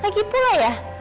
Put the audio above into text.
lagi pulai ya